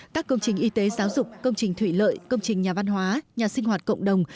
các công trình y tế giáo dục công trình thủy lợi công trình nhà văn hóa nhà sinh hoạt cộng đồng